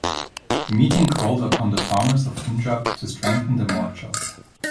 The meeting called upon the farmers of Punjab to strengthen the morchas.